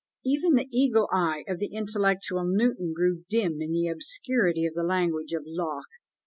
Even the eagle eye of the intellectual Newton grew dim in the obscurity of the language of Locke.